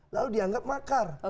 lalu dianggap makar